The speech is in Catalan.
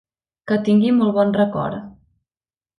Que tingui molt bon record!